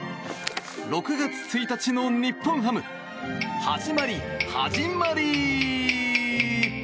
６月１日の日本ハム始まり、始まり。